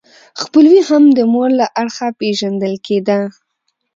خپلوي هم د مور له اړخه پیژندل کیده.